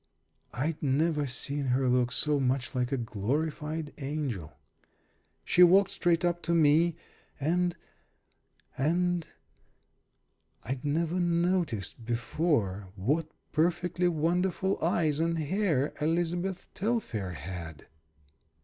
I'd never seen her look so much like a glorified angel. She walked straight tip to me, and and I'd never noticed before what perfectly wonderful eyes and hair Elizabeth Telfair had.